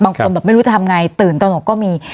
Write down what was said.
บางคนแบบไม่รู้จะทำไงตื่นตนกก็มี